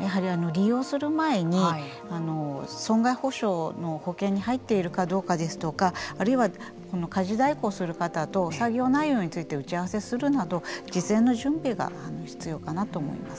やはり利用する前に損害補償の保険に入っているかどうかですとかあるいは家事代行する方と作業内容について打ち合わせするなど事前の準備が必要かなと思います。